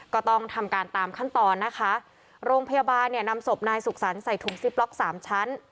ก็ต้องทำการตามขั้นตอนนะคะโรงพยาบาลเนี่ยนำศพนายสุขสรรค์ใส่ถุงซิปล็อกสามชั้น